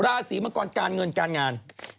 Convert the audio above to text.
ราศีมังกรการเงินการงาน